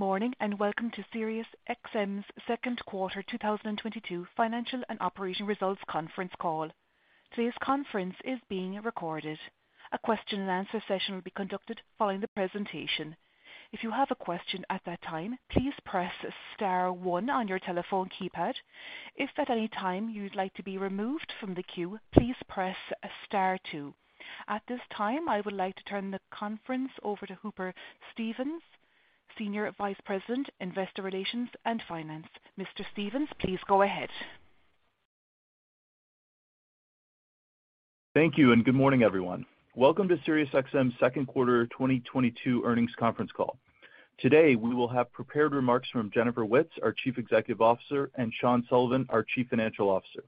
Good morning, and welcome to SiriusXM's Q2 2022 financial and operational results conference call. Today's conference is being recorded. A question and answer session will be conducted following the presentation. If you have a question at that time, please press star one on your telephone keypad. If at any time you'd like to be removed from the queue, please press star two. At this time, I would like to turn the conference over to Hooper Stevens, Senior Vice President, Investor Relations and Finance. Mr. Stevens, please go ahead. Thank you, and good morning, everyone. Welcome to SiriusXM's Q2 2022 earnings conference call. Today, we will have prepared remarks from Jennifer Witz, our Chief Executive Officer, and Sean Sullivan, our Chief Financial Officer.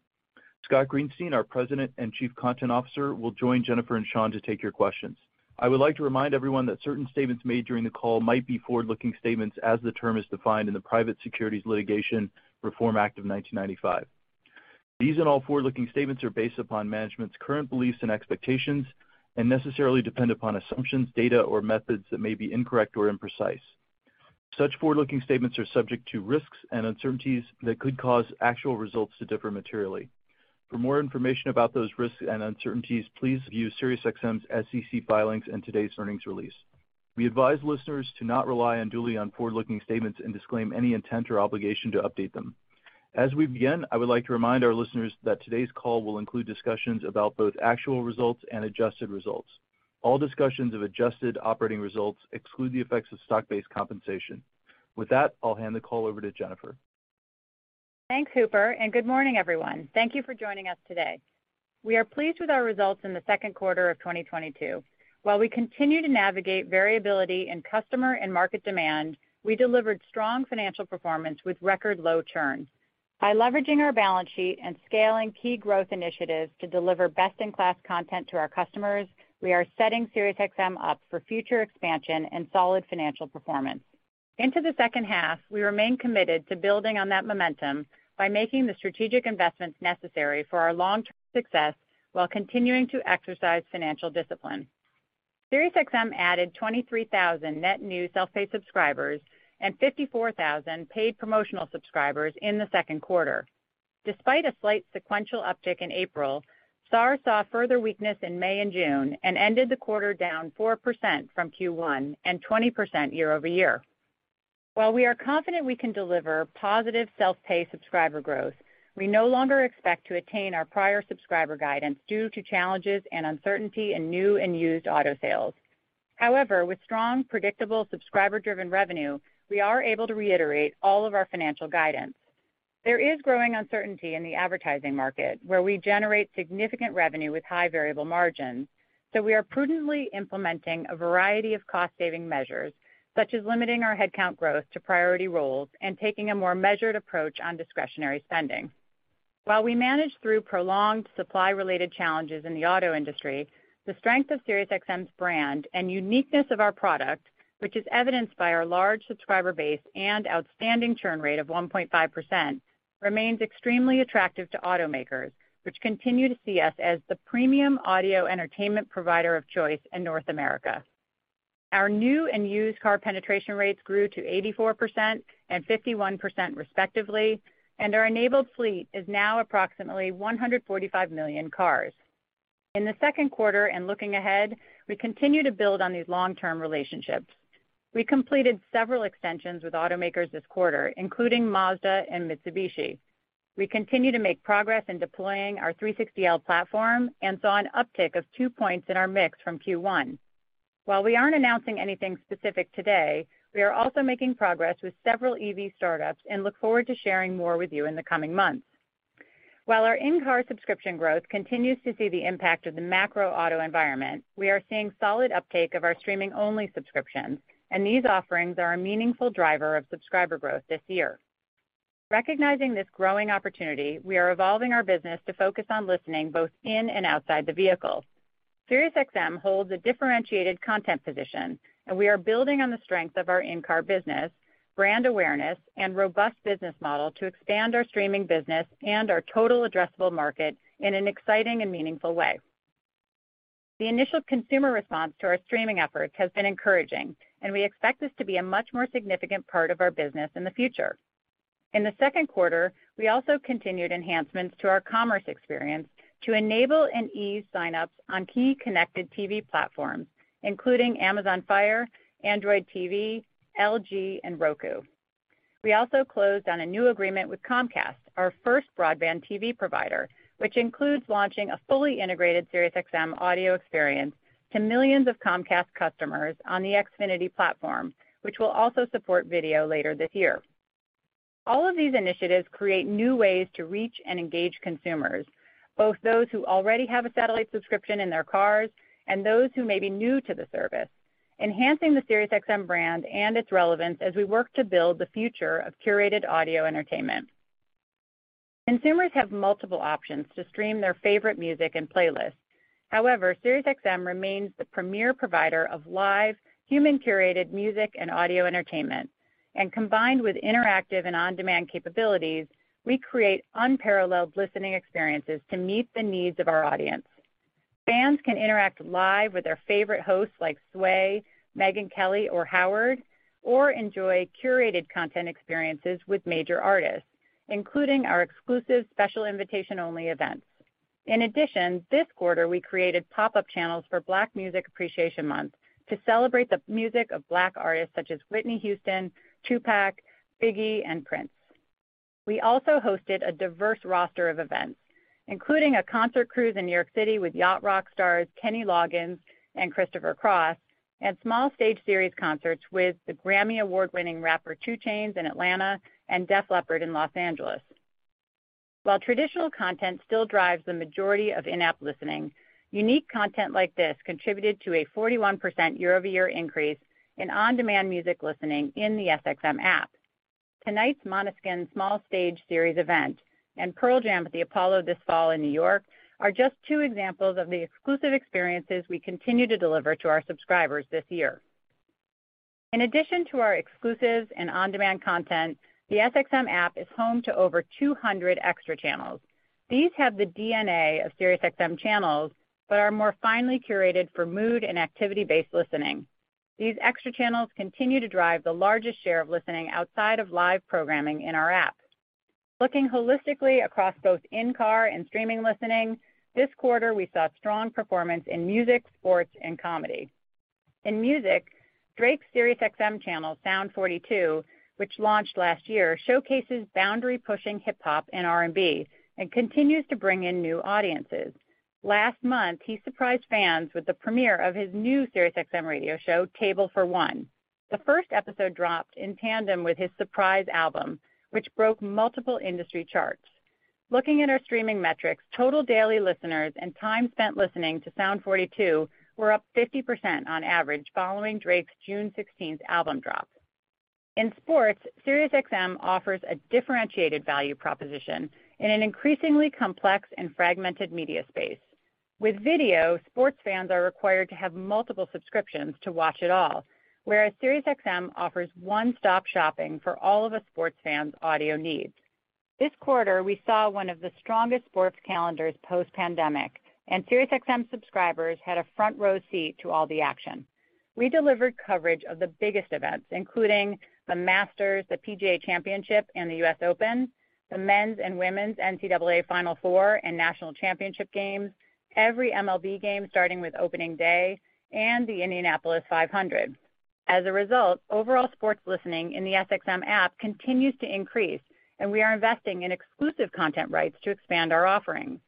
Scott Greenstein, our President and Chief Content Officer, will join Jennifer and Sean to take your questions. I would like to remind everyone that certain statements made during the call might be forward-looking statements as the term is defined in the Private Securities Litigation Reform Act of 1995. These and all forward-looking statements are based upon management's current beliefs and expectations and necessarily depend upon assumptions, data, or methods that may be incorrect or imprecise. Such forward-looking statements are subject to risks and uncertainties that could cause actual results to differ materially. For more information about those risks and uncertainties, please view SiriusXM's SEC filings and today's earnings release. We advise listeners to not rely unduly on forward-looking statements and disclaim any intent or obligation to update them. As we begin, I would like to remind our listeners that today's call will include discussions about both actual results and adjusted results. All discussions of adjusted operating results exclude the effects of stock-based compensation. With that, I'll hand the call over to Jennifer Witz. Thanks, Hooper, and good morning, everyone. Thank you for joining us today. We are pleased with our results in the Q2 of 2022. While we continue to navigate variability in customer and market demand, we delivered strong financial performance with record low churn. By leveraging our balance sheet and scaling key growth initiatives to deliver best-in-class content to our customers, we are setting SiriusXM up for future expansion and solid financial performance. Into the H2, we remain committed to building on that momentum by making the strategic investments necessary for our long-term success while continuing to exercise financial discipline. SiriusXM added 23,000 net new self-pay subscribers and 54,000 paid promotional subscribers in the Q2. Despite a slight sequential uptick in April, SAAR saw further weakness in May and June and ended the quarter down 4% from Q1 and 20% year-over-year. While we are confident we can deliver positive self-pay subscriber growth, we no longer expect to attain our prior subscriber guidance due to challenges and uncertainty in new and used auto sales. However, with strong, predictable subscriber-driven revenue, we are able to reiterate all of our financial guidance. There is growing uncertainty in the advertising market, where we generate significant revenue with high variable margins, so we are prudently implementing a variety of cost-saving measures, such as limiting our headcount growth to priority roles and taking a more measured approach on discretionary spending. While we manage through prolonged supply-related challenges in the auto industry, the strength of SiriusXM's brand and uniqueness of our product, which is evidenced by our large subscriber base and outstanding churn rate of 1.5%, remains extremely attractive to automakers, which continue to see us as the premium audio entertainment provider of choice in North America. Our new and used car penetration rates grew to 84% and 51%, respectively, and our enabled fleet is now approximately 145 million cars. In the Q2 and looking ahead, we continue to build on these long-term relationships. We completed several extensions with automakers this quarter, including Mazda and Mitsubishi. We continue to make progress in deploying our 360L platform and saw an uptick of two points in our mix from Q1. While we aren't announcing anything specific today, we are also making progress with several EV startups and look forward to sharing more with you in the coming months. While our in-car subscription growth continues to see the impact of the macro auto environment, we are seeing solid uptake of our streaming-only subscriptions, and these offerings are a meaningful driver of subscriber growth this year. Recognizing this growing opportunity, we are evolving our business to focus on listening both in and outside the vehicle. SiriusXM holds a differentiated content position, and we are building on the strength of our in-car business, brand awareness, and robust business model to expand our streaming business and our total addressable market in an exciting and meaningful way. The initial consumer response to our streaming efforts has been encouraging, and we expect this to be a much more significant part of our business in the future. In the Q2, we also continued enhancements to our commerce experience to enable and ease sign-ups on key connected TV platforms, including Amazon Fire TV, Android TV, LG, and Roku. We also closed on a new agreement with Comcast, our first broadband TV provider, which includes launching a fully integrated SiriusXM audio experience to millions of Comcast customers on the Xfinity platform, which will also support video later this year. All of these initiatives create new ways to reach and engage consumers, both those who already have a satellite subscription in their cars and those who may be new to the service, enhancing the SiriusXM brand and its relevance as we work to build the future of curated audio entertainment. Consumers have multiple options to stream their favorite music and playlists. However, SiriusXM remains the premier provider of live human-curated music and audio entertainment. Combined with interactive and on-demand capabilities, we create unparalleled listening experiences to meet the needs of our audience. Fans can interact live with their favorite hosts like Sway, Megyn Kelly, or Howard, or enjoy curated content experiences with major artists, including our exclusive special invitation-only events. In addition, this quarter, we created pop-up channels for Black Music Appreciation Month to celebrate the music of Black artists such as Whitney Houston, Tupac, Biggie, and Prince. We also hosted a diverse roster of events, including a concert cruise in New York City with yacht rock stars Kenny Loggins and Christopher Cross, and small stage series concerts with the Grammy Award-winning rapper 2 Chainz in Atlanta and Def Leppard in Los Angeles. While traditional content still drives the majority of in-app listening, unique content like this contributed to a 41% year-over-year increase in on-demand music listening in the SXM App. Tonight's Måneskin Small Stage series event and Pearl Jam at the Apollo this fall in New York are just two examples of the exclusive experiences we continue to deliver to our subscribers this year. In addition to our exclusive and on-demand content, the SXM App is home to over 200 extra channels. These have the DNA of SiriusXM channels but are more finely curated for mood and activity-based listening. These extra channels continue to drive the largest share of listening outside of live programming in our app. Looking holistically across both in-car and streaming listening, this quarter, we saw strong performance in music, sports, and comedy. In music, Drake's SiriusXM channel, Sound 42, which launched last year, showcases boundary-pushing hip hop and R&B and continues to bring in new audiences. Last month, he surprised fans with the premiere of his new SiriusXM radio show, Table for One. The first episode dropped in tandem with his surprise album, which broke multiple industry charts. Looking at our streaming metrics, total daily listeners and time spent listening to Sound 42 were up 50% on average following Drake's June 16th album drop. In sports, SiriusXM offers a differentiated value proposition in an increasingly complex and fragmented media space. With video, sports fans are required to have multiple subscriptions to watch it all, whereas SiriusXM offers one-stop shopping for all of a sports fan's audio needs. This quarter, we saw one of the strongest sports calendars post-pandemic, and SiriusXM subscribers had a front-row seat to all the action. We delivered coverage of the biggest events, including the Masters, the PGA Championship, and the U.S. Open, the men's and women's NCAA Final Four and national championship games, every MLB game starting with opening day, and the Indianapolis 500. As a result, overall sports listening in the SXM App continues to increase, and we are investing in exclusive content rights to expand our offering.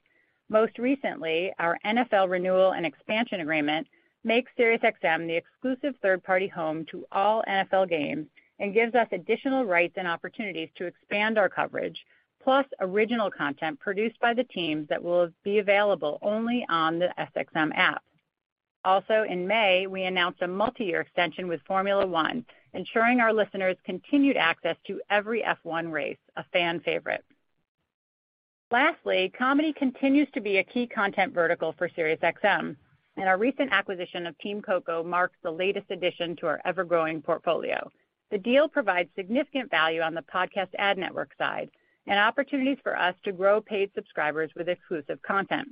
Most recently, our NFL renewal and expansion agreement makes SiriusXM the exclusive third-party home to all NFL games and gives us additional rights and opportunities to expand our coverage, plus original content produced by the teams that will be available only on the SXM App. Also in May, we announced a multiyear extension with Formula One, ensuring our listeners continued access to every F1 race, a fan favorite. Lastly, comedy continues to be a key content vertical for SiriusXM, and our recent acquisition of Team Coco marks the latest addition to our ever-growing portfolio. The deal provides significant value on the podcast ad network side and opportunities for us to grow paid subscribers with exclusive content.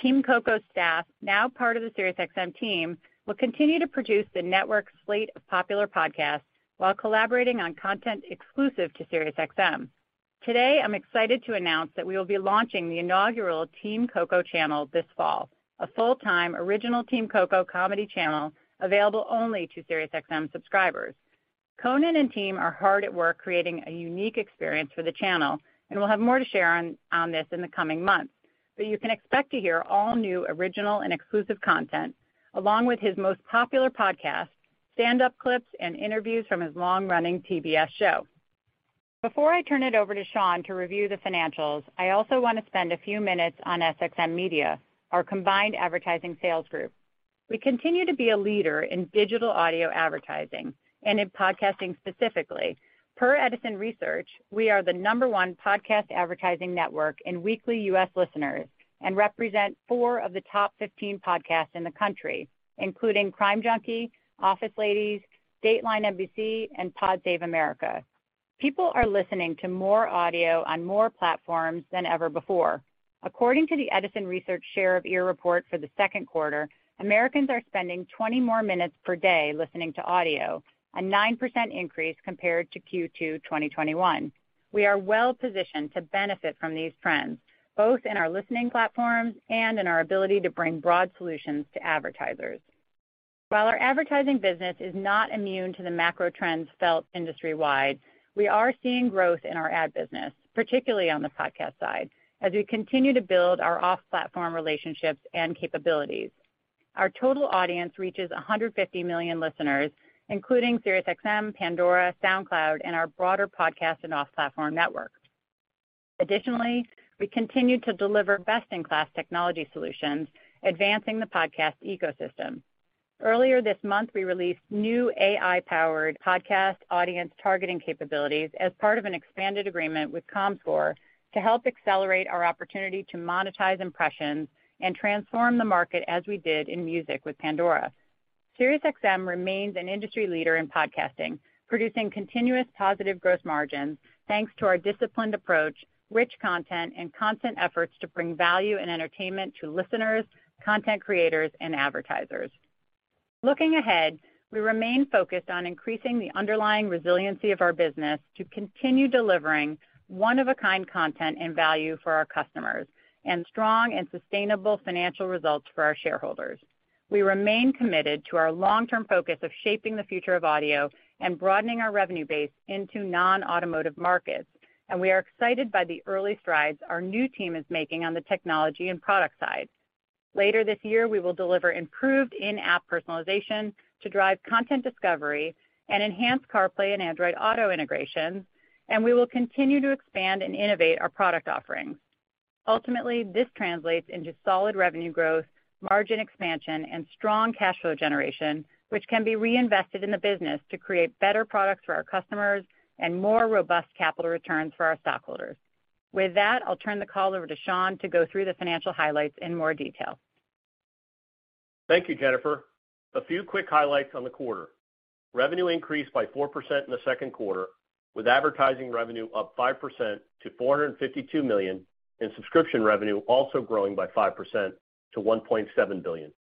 Team Coco's staff, now part of the SiriusXM team, will continue to produce the network's slate of popular podcasts while collaborating on content exclusive to SiriusXM. Today, I'm excited to announce that we will be launching the inaugural Team Coco channel this fall, a full-time original Team Coco comedy channel available only to SiriusXM subscribers. Conan and team are hard at work creating a unique experience for the channel, and we'll have more to share on this in the coming months. You can expect to hear all new original and exclusive content, along with his most popular podcast, stand-up clips, and interviews from his long-running TBS show. Before I turn it over to Sean to review the financials, I also want to spend a few minutes on SXM Media, our combined advertising sales group. We continue to be a leader in digital audio advertising and in podcasting specifically. Per Edison Research, we are the number one podcast advertising network in weekly U.S. listeners and represent four of the top 15 podcasts in the country, including Crime Junkie, Office Ladies, Dateline NBC, and Pod Save America. People are listening to more audio on more platforms than ever before. According to the Edison Research Share of Ear report for the Q2, Americans are spending 20 more minutes per day listening to audio, a 9% increase compared to Q2 2021. We are well-positioned to benefit from these trends, both in our listening platforms and in our ability to bring broad solutions to advertisers. While our advertising business is not immune to the macro trends felt industry-wide, we are seeing growth in our ad business, particularly on the podcast side, as we continue to build our off-platform relationships and capabilities. Our total audience reaches 150 million listeners, including SiriusXM, Pandora, SoundCloud, and our broader podcast and off-platform network. Additionally, we continue to deliver best-in-class technology solutions, advancing the podcast ecosystem. Earlier this month, we released new AI-powered podcast audience targeting capabilities as part of an expanded agreement with Comscore to help accelerate our opportunity to monetize impressions and transform the market as we did in music with Pandora. SiriusXM remains an industry leader in podcasting, producing continuous positive gross margins thanks to our disciplined approach, rich content, and constant efforts to bring value and entertainment to listeners, content creators, and advertisers. Looking ahead, we remain focused on increasing the underlying resiliency of our business to continue delivering one-of-a-kind content and value for our customers and strong and sustainable financial results for our shareholders. We remain committed to our long-term focus of shaping the future of audio and broadening our revenue base into non-automotive markets, and we are excited by the early strides our new team is making on the technology and product side. Later this year, we will deliver improved in-app personalization to drive content discovery and enhance CarPlay and Android Auto integrations, and we will continue to expand and innovate our product offerings. Ultimately, this translates into solid revenue growth, margin expansion, and strong cash flow generation, which can be reinvested in the business to create better products for our customers and more robust capital returns for our stockholders. With that, I'll turn the call over to Sean to go through the financial highlights in more detail. Thank you, Jennifer. A few quick highlights on the quarter. Revenue increased by 4% in the Q2, with advertising revenue up 5% to $452 million and subscription revenue also growing by 5% to $1.7 billion.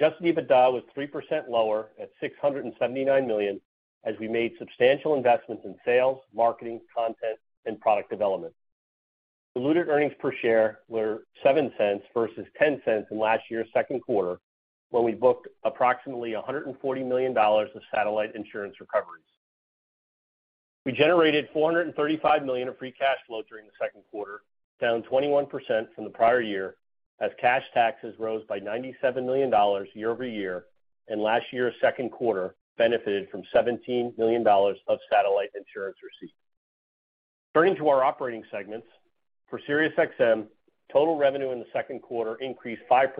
Adjusted EBITDA was 3% lower at $679 million as we made substantial investments in sales, marketing, content, and product development. Diluted earnings per share were $0.07 versus $0.10 in last year's Q2, when we booked approximately $140 million of satellite insurance recoveries. We generated $435 million of free cash flow during the Q2, down 21% from the prior year, as cash taxes rose by $97 million year-over-year and last year's Q2 benefited from $17 million of satellite insurance receipts. Turning to our operating segments, for SiriusXM, total revenue in the Q2 increased 5%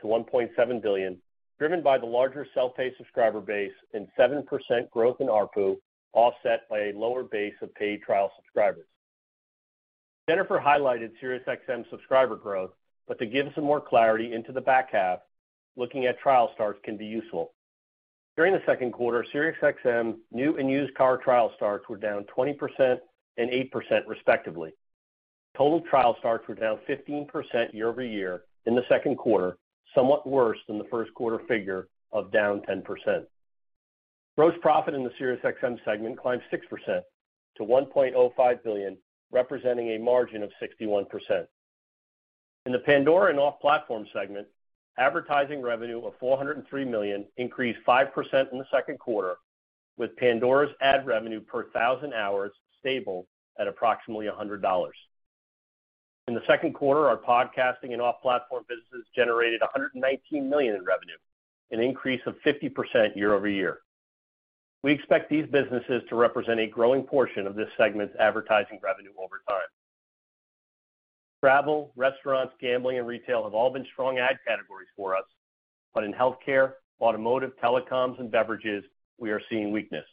to $1.7 billion, driven by the larger self-pay subscriber base and 7% growth in ARPU, offset by a lower base of paid trial subscribers. Jennifer highlighted SiriusXM subscriber growth, but to give some more clarity into the back half, looking at trial starts can be useful. During the Q2, SiriusXM new and used car trial starts were down 20% and 8% respectively. Total trial starts were down 15% year-over-year in the Q2, somewhat worse than the Q1 figure of down 10%. Gross profit in the SiriusXM segment climbed 6% to $1.05 billion, representing a margin of 61%. In the Pandora and off-platform segment, advertising revenue of $403 million increased 5% in the Q2, with Pandora's ad revenue per thousand hours stable at approximately $100. In the Q2, our podcasting and off-platform businesses generated $119 million in revenue, an increase of 50% year-over-year. We expect these businesses to represent a growing portion of this segment's advertising revenue over time. Travel, restaurants, gambling, and retail have all been strong ad categories for us, but in healthcare, automotive, telecoms, and beverages, we are seeing weakness.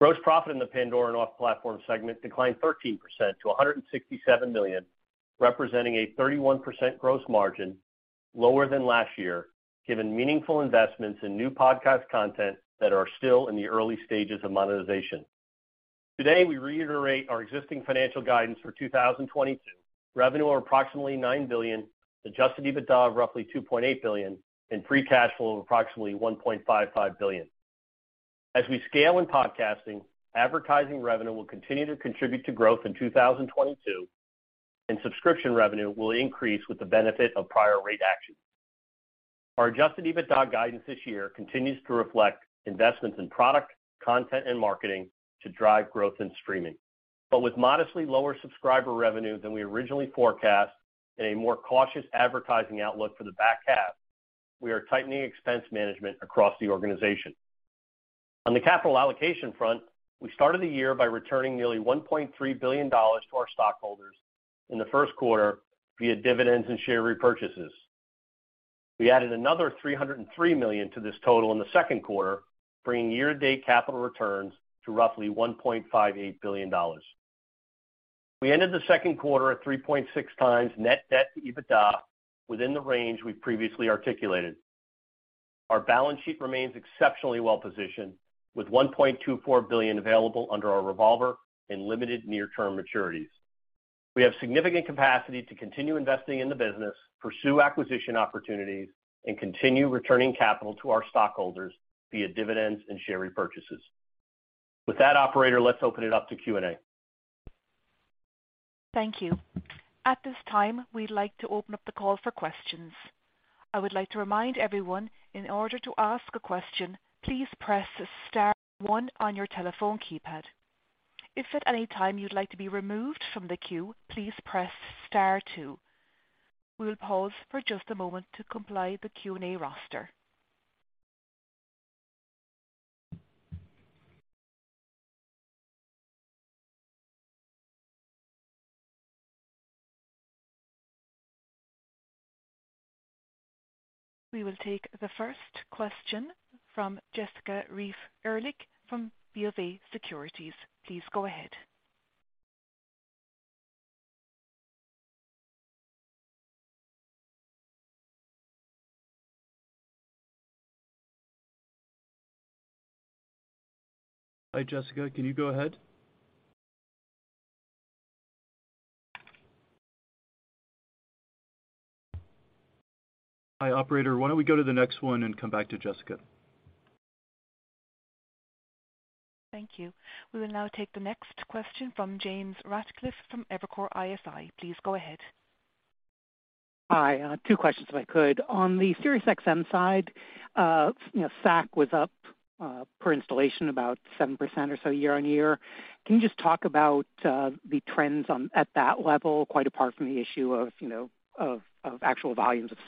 Gross profit in the Pandora and off-platform segment declined 13% to $167 million, representing a 31% gross margin, lower than last year, given meaningful investments in new podcast content that are still in the early stages of monetization. Today, we reiterate our existing financial guidance for 2022. Revenue of approximately $9 billion, adjusted EBITDA of roughly $2.8 billion, and free cash flow of approximately $1.55 billion. As we scale in podcasting, advertising revenue will continue to contribute to growth in 2022, and subscription revenue will increase with the benefit of prior rate action. Our adjusted EBITDA guidance this year continues to reflect investments in product, content, and marketing to drive growth in streaming. With modestly lower subscriber revenue than we originally forecast and a more cautious advertising outlook for the back half, we are tightening expense management across the organization. On the capital allocation front, we started the year by returning nearly $1.3 billion to our stockholders in the Q1 via dividends and share repurchases. We added another $303 million to this total in the Q2, bringing year-to-date capital returns to roughly $1.58 billion. We ended the Q2 at 3.6x net debt to EBITDA within the range we previously articulated. Our balance sheet remains exceptionally well positioned, with $1.24 billion available under our revolver and limited near-term maturities. We have significant capacity to continue investing in the business, pursue acquisition opportunities, and continue returning capital to our stockholders via dividends and share repurchases. With that, operator, let's open it up to Q&A. Thank you. At this time, we'd like to open up the call for questions. I would like to remind everyone, in order to ask a question, please press star one on your telephone keypad. If at any time you'd like to be removed from the queue, please press star two. We will pause for just a moment to compile the Q&A roster. We will take the first question from Jessica Reif Ehrlich from BofA Securities. Please go ahead. Hi, Jessica. Can you go ahead? Hi, operator. Why don't we go to the next one and come back to Jessica? Thank you. We will now take the next question from James Ratcliffe from Evercore ISI. Please go ahead. Hi, two questions, if I could. On the SiriusXM side, you know, SAC was up per installation about 7% or so year-on-year. Can you just talk about the trends on, at that level, quite apart from the issue of, you know, actual volumes of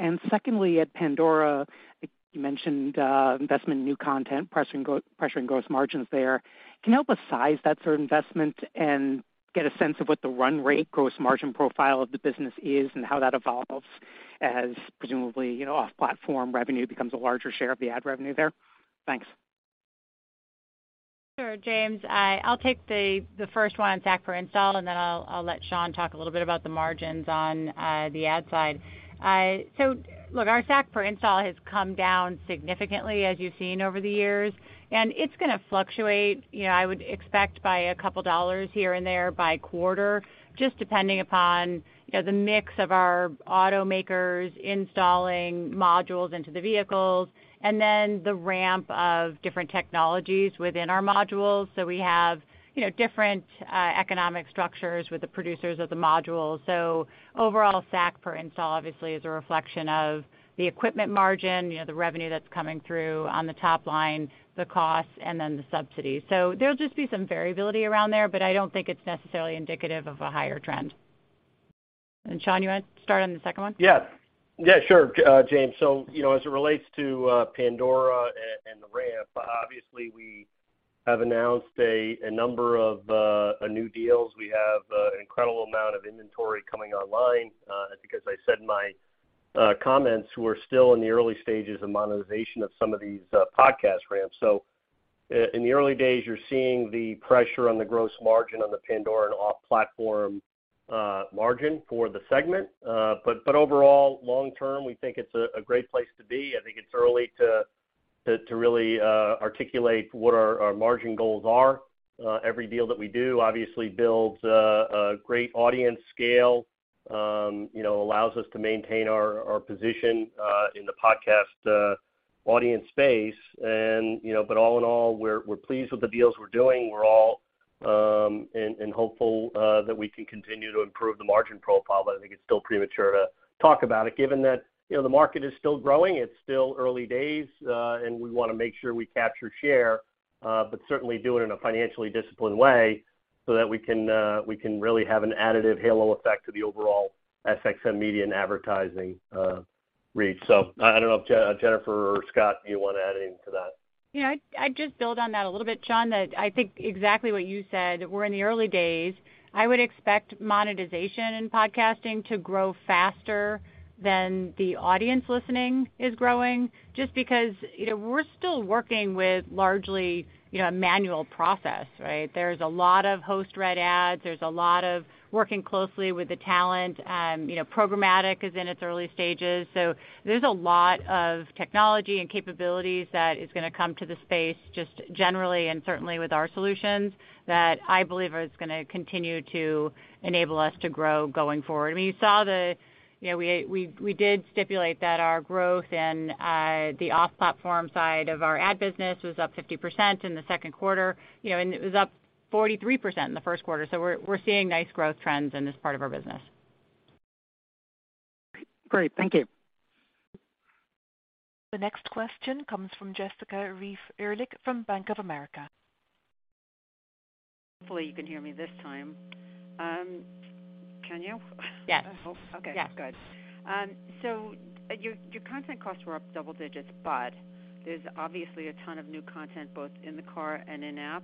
SAAR? Secondly, at Pandora, you mentioned investment in new content pressuring gross margins there. Can you help us size that sort of investment and get a sense of what the run rate gross margin profile of the business is and how that evolves as presumably, you know, off-platform revenue becomes a larger share of the ad revenue there? Thanks. Sure, James. I'll take the first one, SAC per install, and then I'll let Sean talk a little bit about the margins on the ad side. Look, our SAC per install has come down significantly as you've seen over the years, and it's gonna fluctuate, you know. I would expect by a couple of dollars here and there by quarter, just depending upon the mix of our automakers installing modules into the vehicles and then the ramp of different technologies within our modules. We have different economic structures with the producers of the modules. Overall, SAC per install obviously is a reflection of the equipment margin, you know, the revenue that's coming through on the top line, the cost, and then the subsidy. There'll just be some variability around there, but I don't think it's necessarily indicative of a higher trend. Sean, you want to start on the second one? Yeah. Yeah, sure, James. You know, as it relates to Pandora and the ramp, obviously, we have announced a number of new deals. We have an incredible amount of inventory coming online, because I said in my comments, we're still in the early stages of monetization of some of these podcast ramps. In the early days, you're seeing the pressure on the gross margin on the Pandora and off-platform margin for the segment. But overall, long term, we think it's a great place to be. I think it's early to really articulate what our margin goals are. Every deal that we do obviously builds a great audience scale, you know, allows us to maintain our position in the podcast audience space. You know, but all in all, we're pleased with the deals we're doing. We're hopeful that we can continue to improve the margin profile, but I think it's still premature to talk about it given that, you know, the market is still growing, it's still early days, and we want to make sure we capture share, but certainly do it in a financially disciplined way so that we can really have an additive halo effect to the overall SXM Media and advertising reach. I don't know if Jennifer or Scott, do you want to add anything to that? You know, I'd just build on that a little bit, Sean. That I think exactly what you said, we're in the early days. I would expect monetization in podcasting to grow faster than the audience listening is growing just because, you know, we're still working with largely, you know, a manual process, right? There's a lot of host read ads. There's a lot of working closely with the talent. You know, programmatic is in its early stages. So there's a lot of technology and capabilities that is gonna come to the space just generally and certainly with our solutions that I believe is gonna continue to enable us to grow going forward. I mean, you saw the, you know, we did stipulate that our growth and the off-platform side of our ad business was up 50% in the Q2, you know, and it was up 43% in the Q1. We're seeing nice growth trends in this part of our business. Great. Thank you. The next question comes from Jessica Reif Ehrlich from Bank of America. Hopefully you can hear me this time. Can you? Yes. Okay. Yes. Good. So your content costs were up double digits, but there's obviously a ton of new content both in the car and in-app.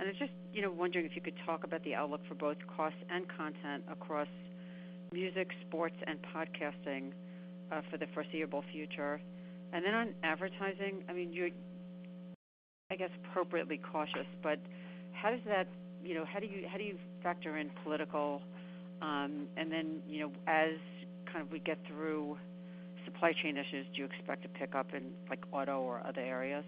I'm just, you know, wondering if you could talk about the outlook for both cost and content across music, sports, and podcasting, for the foreseeable future. Then on advertising, I mean, you're, I guess, appropriately cautious, but how does that, you know, how do you factor in political, and then, you know, as kind of we get through supply chain issues, do you expect to pick up in like auto or other areas?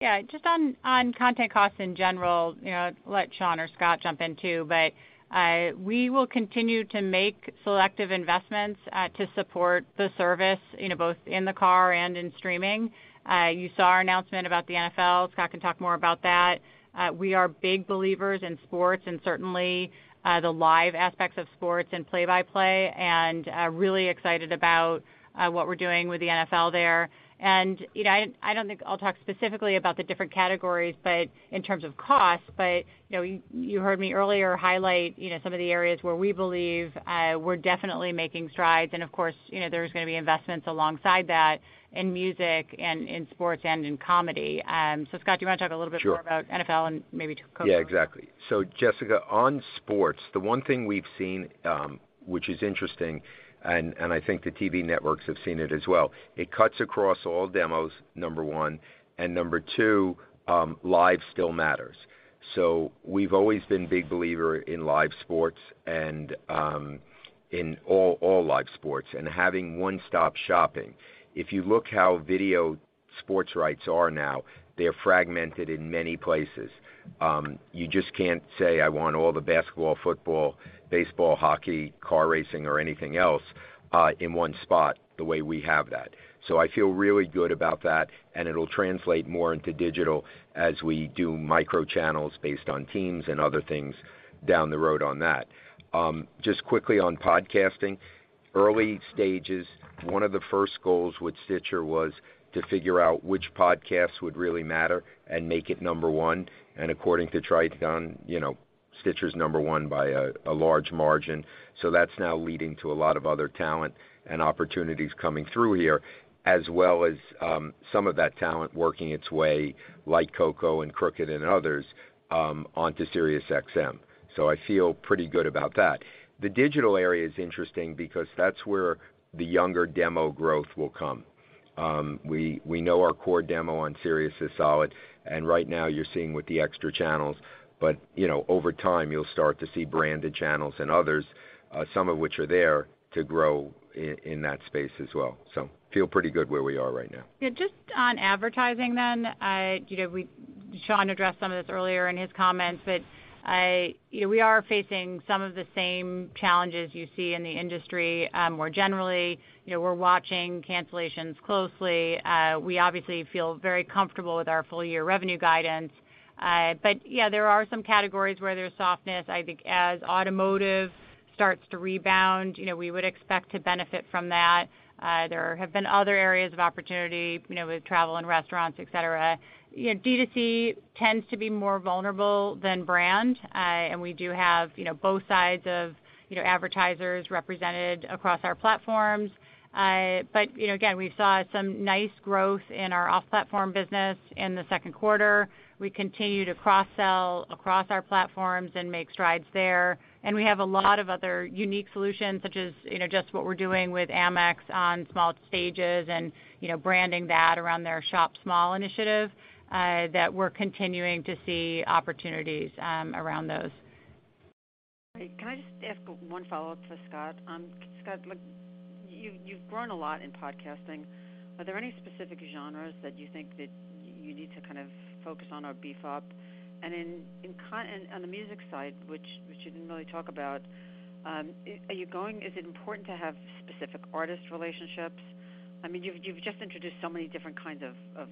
Yeah. Just on content costs in general, you know, let Sean or Scott jump in too, but we will continue to make selective investments to support the service, you know, both in the car and in streaming. You saw our announcement about the NFL. Scott can talk more about that. We are big believers in sports and certainly the live aspects of sports and play-by-play, and really excited about what we're doing with the NFL there. You know, I don't think I'll talk specifically about the different categories, but in terms of cost. You know, you heard me earlier highlight, you know, some of the areas where we believe we're definitely making strides. Of course, you know, there's gonna be investments alongside that in music and in sports and in comedy. Scott, do you wanna talk a little bit more? Sure. About NFL and maybe go from there? Yeah, exactly. Jessica, on sports, the one thing we've seen, which is interesting, and I think the TV networks have seen it as well, it cuts across all demos, number one, and number two, live still matters. We've always been big believer in live sports and in all live sports and having one-stop shopping. If you look how video sports rights are now. They're fragmented in many places. You just can't say I want all the basketball, football, baseball, hockey, car racing, or anything else in one spot the way we have that. I feel really good about that, and it'll translate more into digital as we do micro channels based on teams and other things down the road on that. Just quickly on podcasting. Early stages, one of the first goals with Stitcher was to figure out which podcasts would really matter and make it number one. According to Triton, you know, Stitcher's number one by a large margin. That's now leading to a lot of other talent and opportunities coming through here, as well as some of that talent working its way like Coco and Crooked and others onto SiriusXM. I feel pretty good about that. The digital area is interesting because that's where the younger demo growth will come. We know our core demo on Sirius is solid, and right now you're seeing with the extra channels, but you know, over time you'll start to see branded channels and others, some of which are there to grow in that space as well. Feel pretty good where we are right now. Yeah, just on advertising then. You know, Sean addressed some of this earlier in his comments, but you know, we are facing some of the same challenges you see in the industry, more generally. You know, we're watching cancellations closely. We obviously feel very comfortable with our full year revenue guidance. Yeah, there are some categories where there's softness. I think as automotive starts to rebound, you know, we would expect to benefit from that. There have been other areas of opportunity, you know, with travel and restaurants, et cetera. You know, D2C tends to be more vulnerable than brand. We do have, you know, both sides of, you know, advertisers represented across our platforms. You know, again, we saw some nice growth in our off-platform business in the Q2. We continue to cross-sell across our platforms and make strides there. We have a lot of other unique solutions such as, you know, just what we're doing with Amex on small stages and, you know, branding that around their Shop Small initiative, that we're continuing to see opportunities around those. Can I just ask one follow-up to Scott? Scott, look, you've grown a lot in podcasting. Are there any specific genres that you think that you need to kind of focus on or beef up? On the music side, which you didn't really talk about, is it important to have specific artist relationships? I mean, you've just introduced so many different kinds of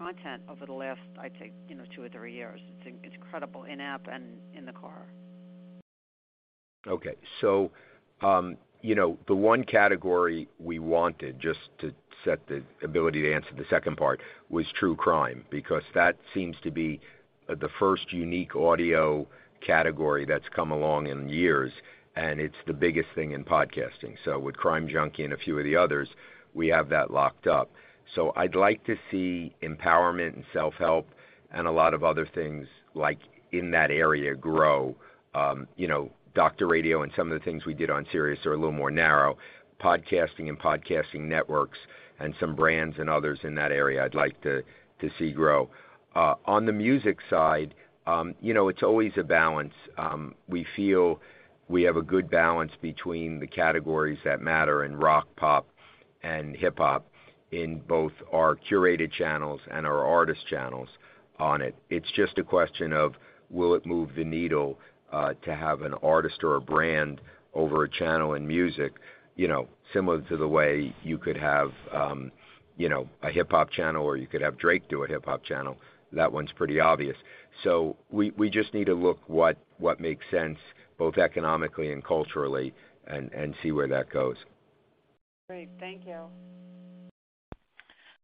content over the last, I'd say, you know, two or three years. It's incredible in-app and in the car. Okay. You know, the one category we wanted just to set the ability to answer the second part was true crime, because that seems to be the first unique audio category that's come along in years, and it's the biggest thing in podcasting. With Crime Junkie and a few of the others, we have that locked up. I'd like to see empowerment and self-help and a lot of other things like in that area grow. You know, Doctor Radio and some of the things we did on Sirius are a little more narrow. Podcasting and podcasting networks and some brands and others in that area I'd like to see grow. On the music side, you know, it's always a balance. We feel we have a good balance between the categories that matter in rock, pop, and hip-hop in both our curated channels and our artist channels on it. It's just a question of will it move the needle to have an artist or a brand over a channel in music, you know, similar to the way you could have a hip-hop channel or you could have Drake do a hip-hop channel. That one's pretty obvious. We just need to look what makes sense both economically and culturally and see where that goes. Great. Thank you.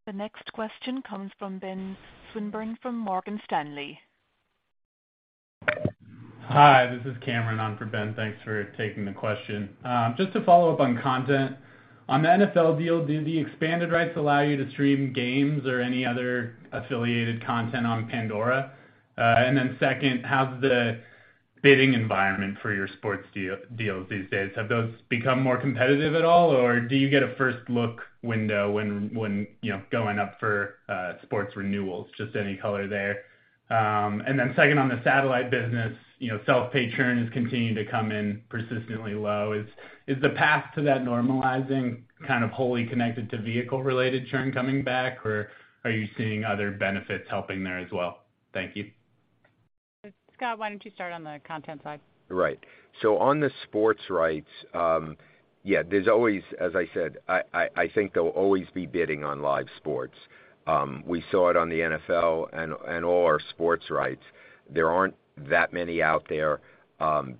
The next question comes from Benjamin Swinburne from Morgan Stanley. Hi, this is Cameron on for Ben. Thanks for taking the question. Just to follow up on content. On the NFL deal, do the expanded rights allow you to stream games or any other affiliated content on Pandora? Then second, how's the bidding environment for your sports deals these days? Have those become more competitive at all, or do you get a first look window when you know, going up for sports renewals? Just any color there. Then second, on the satellite business, you know, self-pay churn has continued to come in persistently low. Is the path to that normalizing kind of wholly connected to vehicle-related churn coming back, or are you seeing other benefits helping there as well? Thank you. Scott, why don't you start on the content side? Right. On the sports rights, yeah, there's always, as I said, I think there will always be bidding on live sports. We saw it on the NFL and all our sports rights. There aren't that many out there,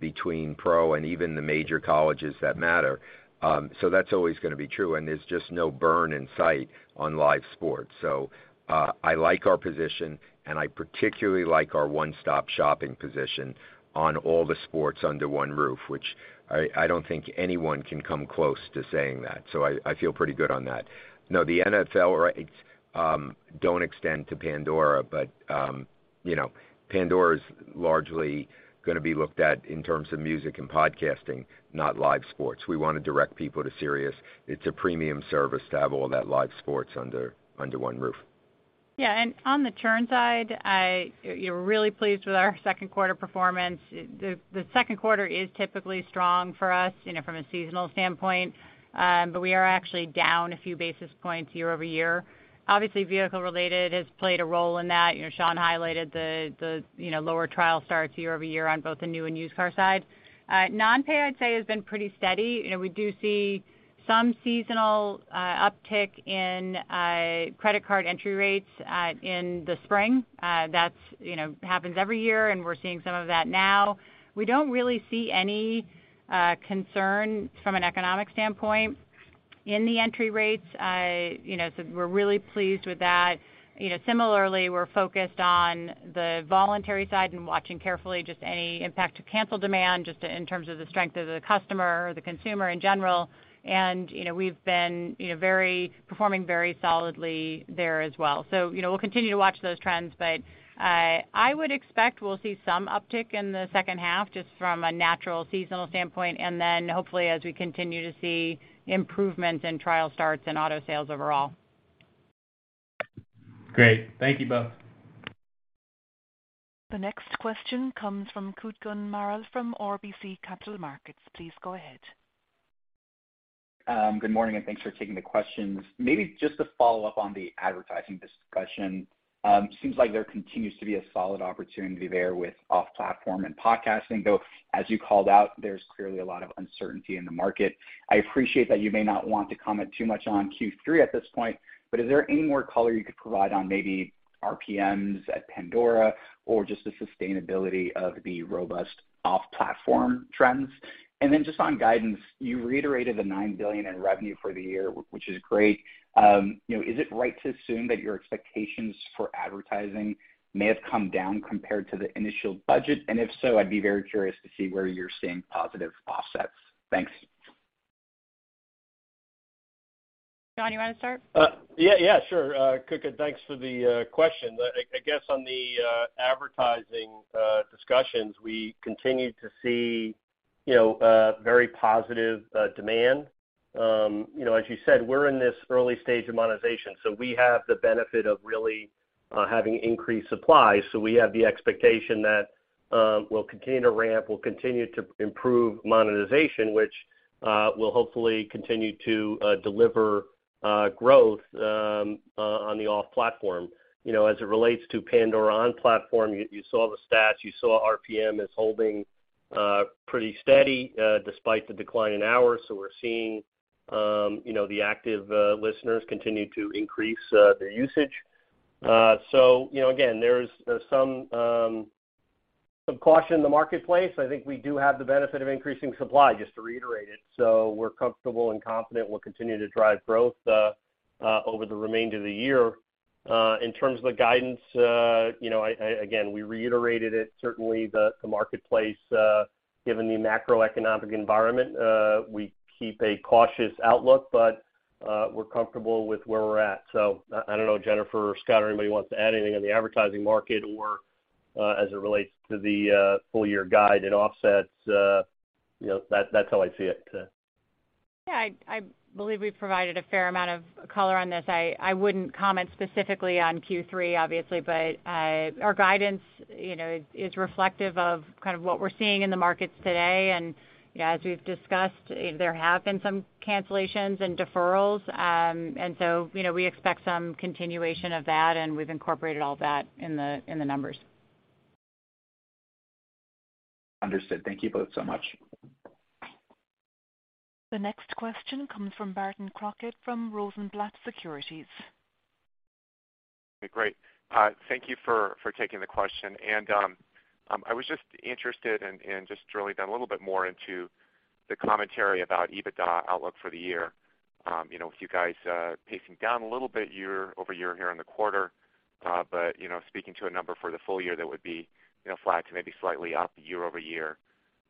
between pro and even the major colleges that matter. That's always gonna be true, and there's just no end in sight on live sports. I like our position, and I particularly like our one-stop shopping position on all the sports under one roof, which I don't think anyone can come close to saying that. I feel pretty good on that. No, the NFL rights don't extend to Pandora, but you know, Pandora's largely gonna be looked at in terms of music and podcasting, not live sports. We wanna direct people to Sirius. It's a premium service to have all that live sports under one roof. Yeah. On the churn side, we're really pleased with our Q2 performance. The Q2 is typically strong for us, you know, from a seasonal standpoint, but we are actually down a few basis points year-over-year. Obviously, vehicle related has played a role in that. You know, Sean highlighted the lower trial starts year-over-year on both the new and used car side. Non-pay, I'd say, has been pretty steady. You know, we do see some seasonal uptick in credit card entry rates in the spring. That's what happens every year, and we're seeing some of that now. We don't really see any concern from an economic standpoint in the entry rates. You know, we're really pleased with that. You know, similarly, we're focused on the voluntary side and watching carefully just any impact to cancel demand just in terms of the strength of the customer or the consumer in general. You know, we've been, you know, performing very solidly there as well. You know, we'll continue to watch those trends, but I would expect we'll see some uptick in the H2 just from a natural seasonal standpoint, and then hopefully as we continue to see improvements in trial starts and auto sales overall. Great. Thank you both. The next question comes from Kutgun Maral from RBC Capital Markets. Please go ahead. Good morning, and thanks for taking the questions. Maybe just to follow up on the advertising discussion, seems like there continues to be a solid opportunity there with off platform and podcasting, though as you called out, there's clearly a lot of uncertainty in the market. I appreciate that you may not want to comment too much on Q3 at this point, but is there any more color you could provide on maybe RPMs at Pandora or just the sustainability of the robust off platform trends? Just on guidance, you reiterated the $9 billion in revenue for the year, which is great. You know, is it right to assume that your expectations for advertising may have come down compared to the initial budget? If so, I'd be very curious to see where you're seeing positive offsets. Thanks. Sean, you wanna start? Sure. Kutgun, thanks for the question. I guess on the advertising discussions, we continue to see, you know, very positive demand. You know, as you said, we're in this early stage of monetization, so we have the benefit of really having increased supply. We have the expectation that we'll continue to ramp, we'll continue to improve monetization, which will hopefully continue to deliver growth on the off platform. You know, as it relates to Pandora on platform, you saw the stats, you saw RPM is holding pretty steady despite the decline in hours. We're seeing, you know, the active listeners continue to increase their usage. You know, again, there's some caution in the marketplace. I think we do have the benefit of increasing supply, just to reiterate it. We're comfortable and confident we'll continue to drive growth over the remainder of the year. In terms of the guidance, you know, again, we reiterated it, certainly the marketplace, given the macroeconomic environment, we keep a cautious outlook, but we're comfortable with where we're at. I don't know, Jennifer or Scott, or anybody wants to add anything on the advertising market or as it relates to the full year guide and offsets, you know, that's how I see it. Yeah, I believe we've provided a fair amount of color on this. I wouldn't comment specifically on Q3, obviously, but our guidance, you know, is reflective of kind of what we're seeing in the markets today. As we've discussed, there have been some cancellations and deferrals. You know, we expect some continuation of that, and we've incorporated all that in the numbers. Understood. Thank you both so much. The next question comes from Barton Crockett from Rosenblatt Securities. Great. Thank you for taking the question. I was just interested in just drilling down a little bit more into the commentary about EBITDA outlook for the year. You know, with you guys pacing down a little bit year-over-year here in the quarter, but you know, speaking to a number for the full year, that would be, you know, flat to maybe slightly up year-over-year,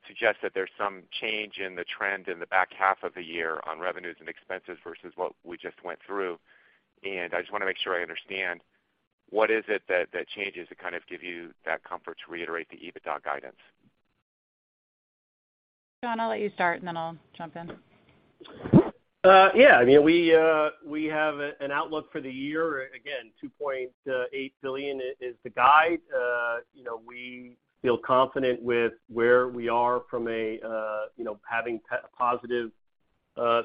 suggests that there's some change in the trend in the back half of the year on revenues and expenses versus what we just went through. I just wanna make sure I understand, what is it that changes to kind of give you that comfort to reiterate the EBITDA guidance? Sean, I'll let you start, and then I'll jump in. Yeah. I mean, we have an outlook for the year. Again, $2.8 billion is the guide. You know, we feel confident with where we are from a you know, having positive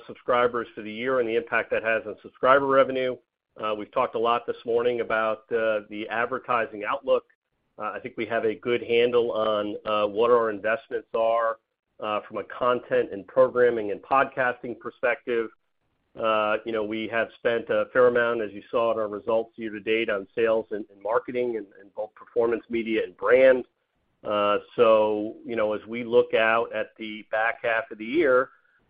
subscribers for the year and the impact that has on subscriber revenue. We've talked a lot this morning about the advertising outlook. I think we have a good handle on what our investments are from a content and programming and podcasting perspective. You know, we have spent a fair amount, as you saw at our results year-to-date on sales and marketing in both performance media and brand. You know, as we look out at the back half of the year,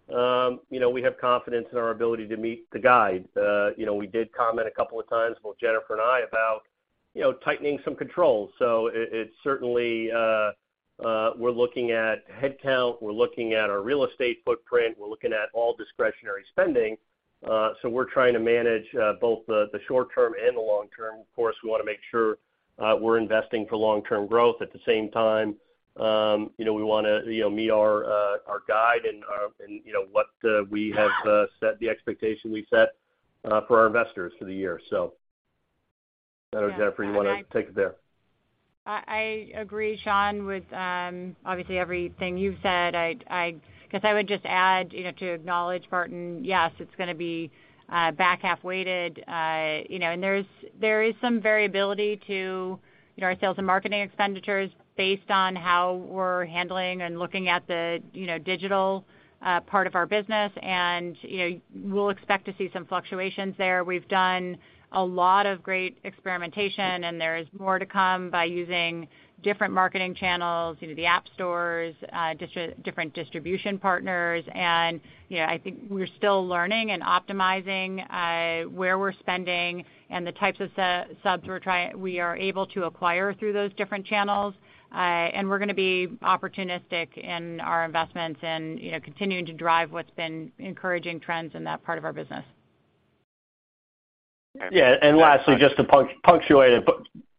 we have confidence in our ability to meet the guide. You know, we did comment a couple of times, both Jennifer and I, about you know, tightening some controls. It's certainly we're looking at headcount, we're looking at our real estate footprint, we're looking at all discretionary spending. We're trying to manage both the short term and the long term. Of course, we wanna make sure we're investing for long-term growth. At the same time, you know, we wanna you know, meet our guidance and you know, what we have set, the expectation we set for our investors for the year. Jennifer, you wanna take it there? I agree, Sean, with obviously everything you've said. I'd 'cause I would just add, you know, to acknowledge, Barton Crockett, yes, it's gonna be back-half weighted. You know, there is some variability to, you know, our sales and marketing expenditures based on how we're handling and looking at the, you know, digital part of our business. You know, we'll expect to see some fluctuations there. We've done a lot of great experimentation, and there is more to come by using different marketing channels, you know, the app stores, different distribution partners. You know, I think we're still learning and optimizing where we're spending and the types of subs we are able to acquire through those different channels. We're gonna be opportunistic in our investments and, you know, continuing to drive what's been encouraging trends in that part of our business. Yeah. Lastly, just to punctuate it.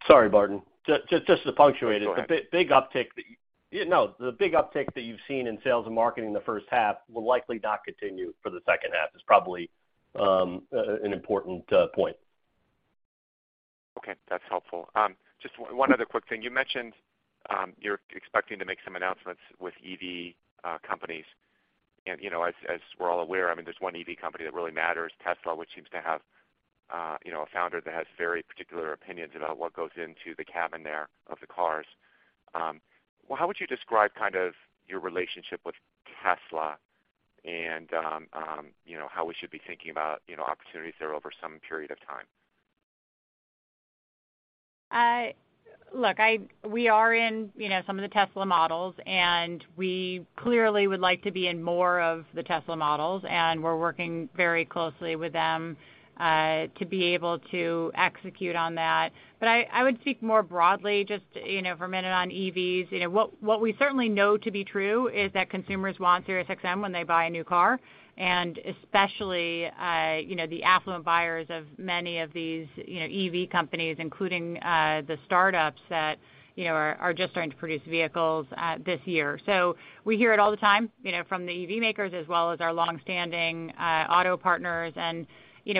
Sorry, Barton. Just to punctuate it. Go ahead. The big uptick that, you know, the big uptick that you've seen in sales and marketing in the H1 will likely not continue for the H2 is probably an important point. Okay, that's helpful. Just one other quick thing. You mentioned, you're expecting to make some announcements with EV companies. You know, as we're all aware, I mean, there's one EV company that really matters, Tesla, which seems to have, you know, a founder that has very particular opinions about what goes into the cabin there of the cars. Well, how would you describe kind of your relationship with Tesla and, you know, how we should be thinking about, you know, opportunities there over some period of time? Look, we are in, you know, some of the Tesla models, and we clearly would like to be in more of the Tesla models, and we're working very closely with them to be able to execute on that. I would speak more broadly just, you know, for a minute on EVs. You know, what we certainly know to be true is that consumers want SiriusXM when they buy a new car, and especially, you know, the affluent buyers of many of these, you know, EV companies, including, the startups that, you know, are just starting to produce vehicles, this year. We hear it all the time, you know, from the EV makers as well as our long-standing auto partners. You know,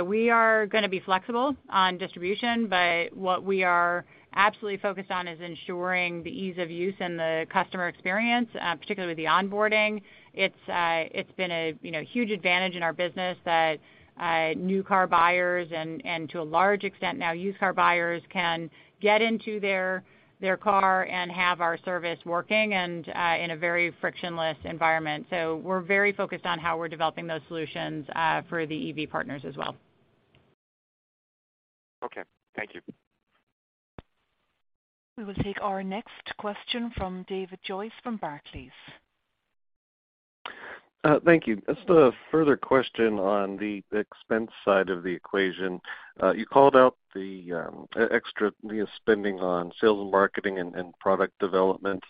we are gonna be flexible on distribution, but what we are absolutely focused on is ensuring the ease of use and the customer experience, particularly with the onboarding. It's been a you know huge advantage in our business that new car buyers and to a large extent now used car buyers can get into their car and have our service working in a very frictionless environment. We're very focused on how we're developing those solutions for the EV partners as well. Okay, thank you. We will take our next question from David Joyce from Barclays. Thank you. Just a further question on the expense side of the equation. You called out the extra spending on sales and marketing and product development.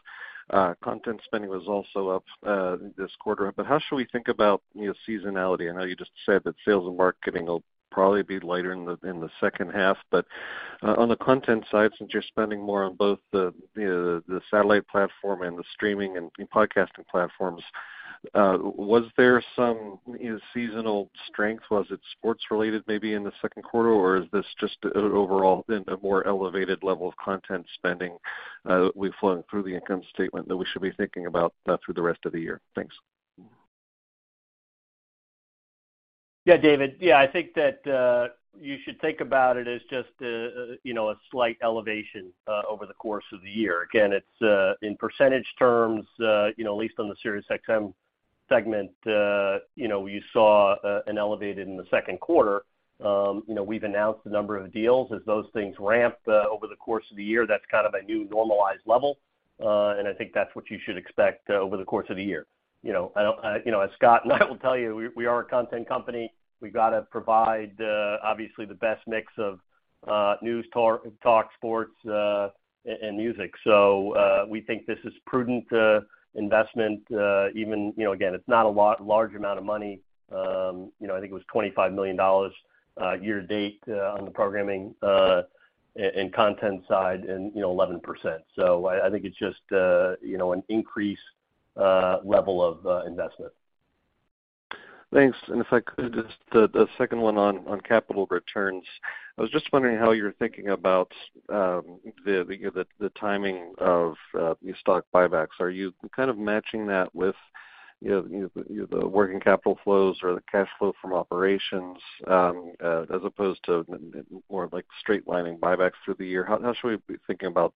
Content spending was also up this quarter. How should we think about, you know, seasonality? I know you just said that sales and marketing will probably be lighter in the H2. On the content side, since you're spending more on both the, you know, the satellite platform and the streaming and podcasting platforms, was there some seasonal strength? Was it sports-related maybe in the Q2, or is this just an overall and a more elevated level of content spending flowing through the income statement that we should be thinking about through the rest of the year? Thanks. Yeah, David. Yeah, I think that, you know, a slight elevation over the course of the year. Again, it's in percentage terms, you know, at least on the SiriusXM segment, you know, you saw an elevation in the Q2. You know, we've announced a number of deals. As those things ramp over the course of the year, that's kind of a new normalized level. And I think that's what you should expect over the course of the year. You know, I don't. You know, as Scott and I will tell you, we are a content company. We've got to provide obviously the best mix of news, talk, sports, and music. We think this is prudent investment, even, you know, again, it's not a large amount of money. You know, I think it was $25 million year-to-date on the programming and content side and, you know, 11%. I think it's just, you know, an increased level of investment. Thanks. If I could, just the second one on capital returns. I was just wondering how you're thinking about the timing of these stock buybacks. Are you kind of matching that with, you know, the working capital flows or the cash flow from operations, as opposed to more like straight lining buybacks through the year? How should we be thinking about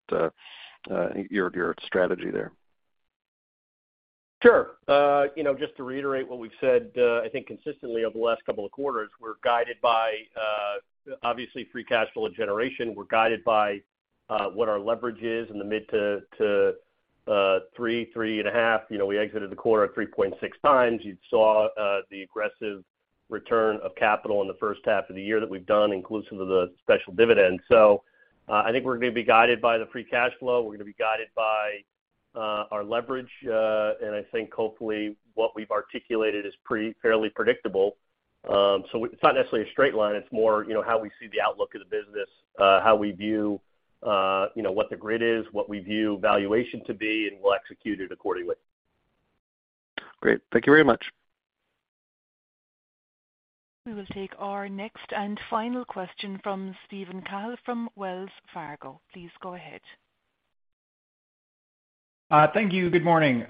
your strategy there? Sure. You know, just to reiterate what we've said, I think consistently over the last couple of quarters, we're guided by obviously free cash flow generation. We're guided by what our leverage is in the mid to 3.5. You know, we exited the quarter at 3.6x. You saw the aggressive return of capital in the H1 of the year that we've done, inclusive of the special dividend. I think we're gonna be guided by the free cash flow. We're gonna be guided by our leverage. I think hopefully what we've articulated is pretty fairly predictable. It's not necessarily a straight line. It's more, you know, how we see the outlook of the business, how we view, you know, what the growth is, what we view valuation to be, and we'll execute it accordingly. Great. Thank you very much. We will take our next and final question from Steven Cahall from Wells Fargo. Please go ahead. Thank you. Good morning.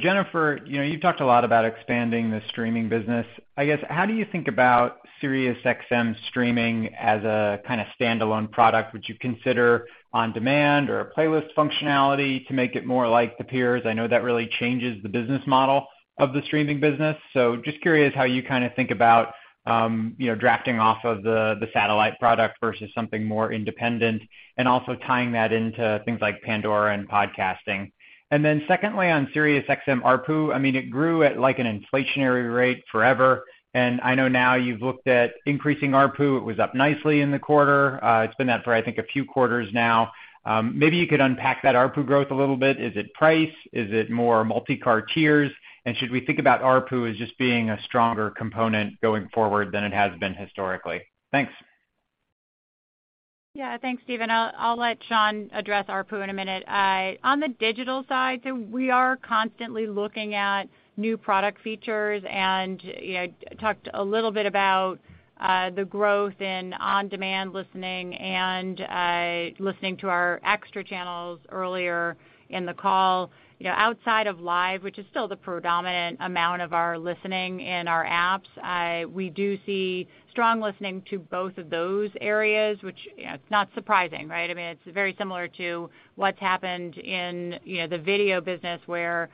Jennifer, you know, you've talked a lot about expanding the streaming business. I guess, how do you think about SiriusXM streaming as a kinda standalone product? Would you consider on-demand or a playlist functionality to make it more like the peers? I know that really changes the business model of the streaming business. Just curious how you kinda think about, you know, drafting off of the satellite product versus something more independent, and also tying that into things like Pandora and podcasting. Then secondly, on SiriusXM ARPU, I mean, it grew at like an inflationary rate forever. I know now you've looked at increasing ARPU. It was up nicely in the quarter. It's been that for I think a few quarters now. Maybe you could unpack that ARPU growth a little bit. Is it price? Is it more multi-car tiers? Should we think about ARPU as just being a stronger component going forward than it has been historically? Thanks. Yeah. Thanks, Steven. I'll let Sean address ARPU in a minute. On the digital side, we are constantly looking at new product features and, you know, talked a little bit about the growth in on-demand listening and listening to our extra channels earlier in the call. You know, outside of live, which is still the predominant amount of our listening in our apps, we do see strong listening to both of those areas, which, you know, it's not surprising, right? I mean, it's very similar to what's happened in, you know, the video business where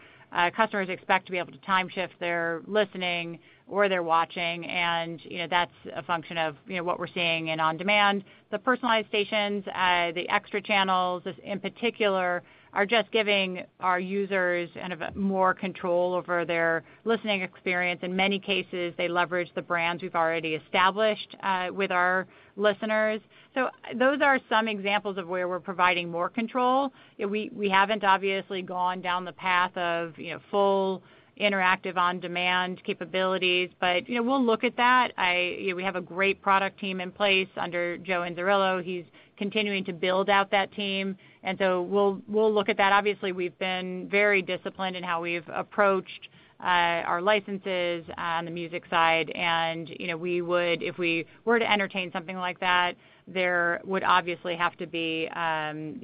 customers expect to be able to time shift their listening or their watching, and, you know, that's a function of, you know, what we're seeing in on-demand. The personalized stations, the extra channels, in particular, are just giving our users kind of a more control over their listening experience. In many cases, they leverage the brands we've already established, with our listeners. So those are some examples of where we're providing more control. You know, we haven't obviously gone down the path of, you know, full interactive on-demand capabilities, but, you know, we'll look at that. You know, we have a great product team in place under Joseph Inzerillo. He's continuing to build out that team, and so we'll look at that. Obviously, we've been very disciplined in how we've approached, our licenses on the music side. You know, we would if we were to entertain something like that, there would obviously have to be,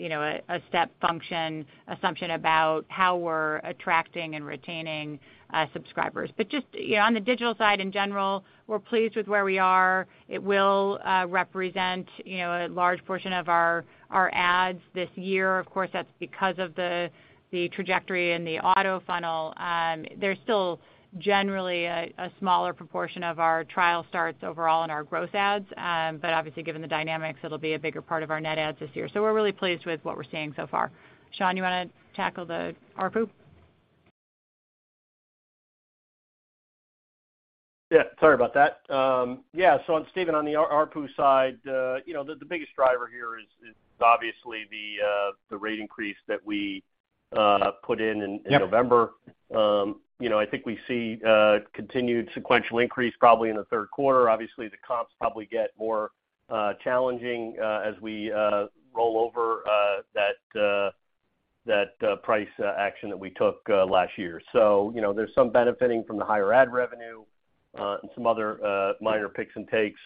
you know, a step function assumption about how we're attracting and retaining subscribers. But just, you know, on the digital side in general, we're pleased with where we are. It will represent, you know, a large portion of our ads this year. Of course, that's because of the trajectory and the auto funnel. There's still generally a smaller proportion of our trial starts overall in our growth ads. But obviously, given the dynamics, it'll be a bigger part of our net ads this year. We're really pleased with what we're seeing so far. Sean, you wanna tackle the ARPU? Yeah, sorry about that. Yeah, so Steven, on the ARPU side, you know, the biggest driver here is obviously the rate increase that we put in in November. You know, I think we see continued sequential increase probably in the Q3. Obviously, the comps probably get more challenging as we roll over that price action that we took last year. You know, there's some benefiting from the higher ad revenue and some other minor puts and takes,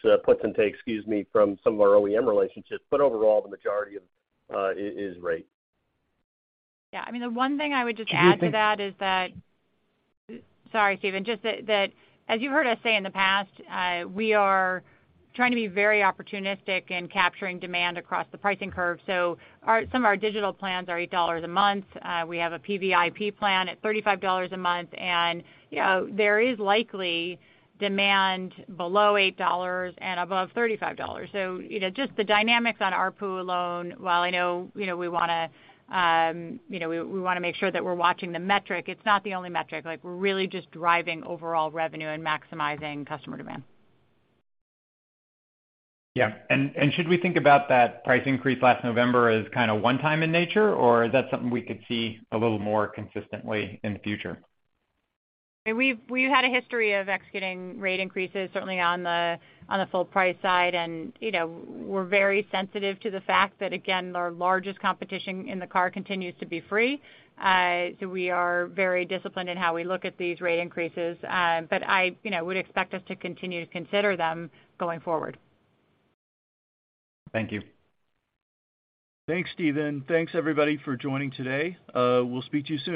excuse me, from some of our OEM relationships. Overall, the majority of it is rate. Yeah. I mean, the one thing I would just add to that is that. Do you think? Sorry, Steven. Just that as you heard us say in the past, we are trying to be very opportunistic in capturing demand across the pricing curve. Some of our digital plans are $8 a month. We have a Platinum VIP plan at $35 a month, and you know, there is likely demand below $8 and above $35. You know, just the dynamics on ARPU alone, while I know, you know, we wanna, you know, we wanna make sure that we're watching the metric, it's not the only metric. Like, we're really just driving overall revenue and maximizing customer demand. Yeah. Should we think about that price increase last November as kinda one time in nature, or is that something we could see a little more consistently in the future? We've had a history of executing rate increases, certainly on the full price side. You know, we're very sensitive to the fact that, again, our largest competition in the car continues to be free. We are very disciplined in how we look at these rate increases. You know, I would expect us to continue to consider them going forward. Thank you. Thanks, Steven. Thanks, everybody, for joining today. We'll speak to you soon.